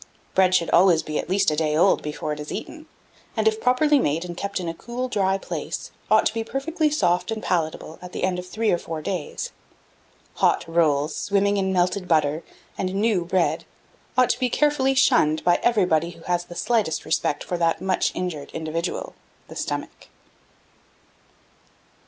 Bread should always be at least a day old before it is eaten; and, if properly made, and kept in a cool dry place, ought to be perfectly soft and palatable at the end of three or four days. Hot rolls, swimming in melted butter, and new bread, ought to be carefully shunned by everybody who has the slightest respect for that much injured individual the Stomach.